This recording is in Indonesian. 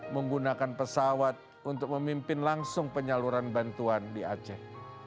menggunakan pesawat untuk memimpin langsung penyaluran bantuan di aceh